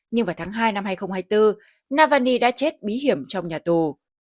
nhưng vào tháng hai năm hai nghìn hai mươi bốn navani đã chết bí hiểm trong nhà tù